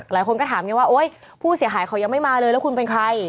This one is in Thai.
หลายคนก็ถามไงว่าโอ๊ยผู้เสียหายเขายังไม่มาเลยแล้วคุณเป็นใคร